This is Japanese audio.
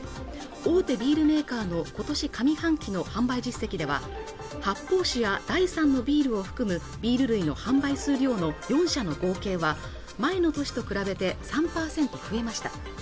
大手ビールメーカーのことし上半期の販売実績では発泡酒や第３のビールを含むビール類の販売数量の４社の合計は前の年と比べて３％増えました